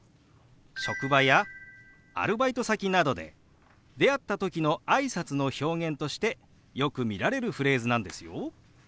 職場やアルバイト先などで出会った時のあいさつの表現としてよく見られるフレーズなんですよ。